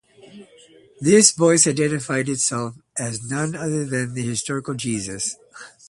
This voice identified itself as none other than the historical Jesus.